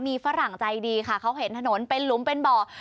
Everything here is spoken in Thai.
มีฝรั่งใจดีค่ะเขาเห็นถนนเป็นหลุมเป็นบ่อ